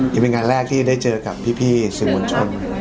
จะเป็นงานแรกที่ได้เจอกับพี่สื่อมวลชน